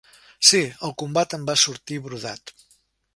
Sí, el combat em va sortir brodat.